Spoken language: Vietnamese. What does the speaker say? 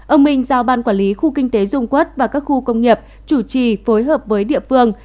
ông minh giao ban quản lý khu kinh tế dung quốc và các khu công nghiệp chủ trì phối hợp với địa phương